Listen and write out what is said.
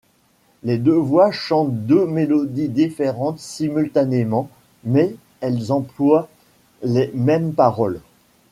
Les deux voix chantent deux mélodies différentes simultanément, mais elles emploient les mêmes paroles.